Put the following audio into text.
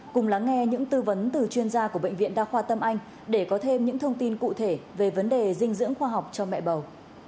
cùng lắng nghe những tư vấn từ chuyên gia của bệnh viện đa khoa tâm anh để có thêm những thông tin cụ thể về vấn đề dinh dưỡng khoa học cho mẹ bầu